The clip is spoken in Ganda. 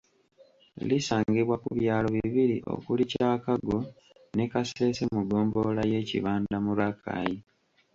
Lisangibwa ku byalo bibiri okuli Kyakago ne Kasese mu ggombolola y'e Kibanda mu Rakai